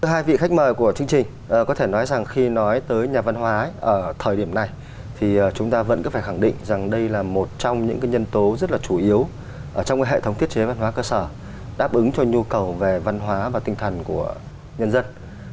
hai vị khách mời của chương trình có thể nói rằng khi nói tới nhà văn hóa ở thời điểm này thì chúng ta vẫn cứ phải khẳng định rằng đây là một trong những nhân tố rất là chủ yếu trong hệ thống thiết chế văn hóa cơ sở đáp ứng cho nhu cầu về văn hóa và tinh thần của nhân dân